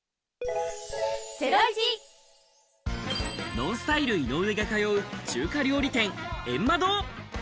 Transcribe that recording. ＮＯＮＳＴＹＬＥ・井上が通う、中華料理店・炎麻堂。